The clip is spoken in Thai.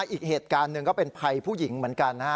อีกเหตุการณ์หนึ่งก็เป็นภัยผู้หญิงเหมือนกันนะฮะ